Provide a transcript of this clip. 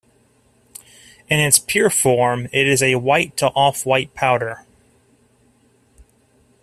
In its pure form, it is a white to off-white powder.